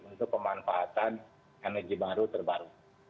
untuk pemanfaatan energi baru terbaru